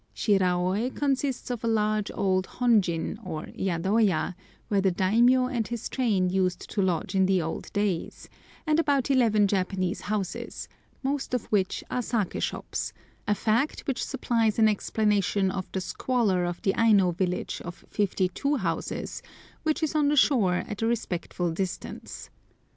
Shiraôi consists of a large old Honjin, or yadoya, where the daimiyô and his train used to lodge in the old days, and about eleven Japanese houses, most of which are saké shops—a fact which supplies an explanation of the squalor of the Aino village of fifty two houses, which is on the shore at a respectful distance.